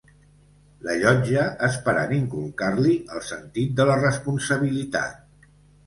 L'allotja esperant inculcar-li el sentit de la responsabilitat.